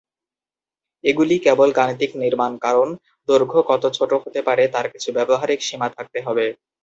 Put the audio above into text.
এগুলি কেবল গাণিতিক নির্মাণ কারণ দৈর্ঘ্য কত ছোট হতে পারে তার কিছু ব্যবহারিক সীমা থাকতে হবে।